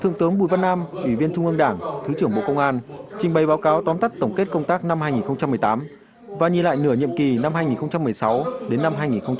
thượng tướng bùi văn nam ủy viên trung ương đảng thứ trưởng bộ công an trình bày báo cáo tóm tắt tổng kết công tác năm hai nghìn một mươi tám và nhìn lại nửa nhiệm kỳ năm hai nghìn một mươi sáu đến năm hai nghìn một mươi tám